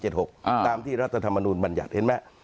ตามรัฐธรรมนูลบัญญัติเห็นไหม